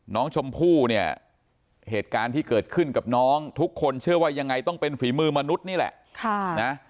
น้องชมพู่เนี่ยเหตุการณ์ที่เกิดขึ้นกับน้องทุกคนเชื่อว่ายังไงต้องเป็นฝีมือมนุษย์นี่แหละ